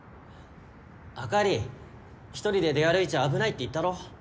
あかり一人で出歩いちゃ危ないって言ったろ。